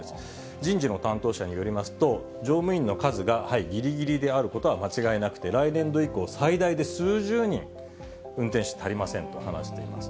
人事の担当者によりますと、乗務員の数がぎりぎりであることは間違いなくて、来年度以降、最大で数十人、運転手足りませんと話しています。